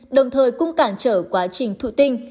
đồng thời cũng cản trở quá trình thụ tinh